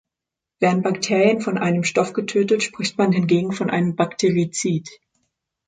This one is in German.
Werden Bakterien von einem Stoff getötet, spricht man hingegen von einem Bakterizid.